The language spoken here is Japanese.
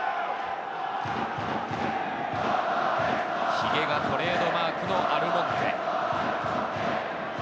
ヒゲがトレードマークのアルモンテ。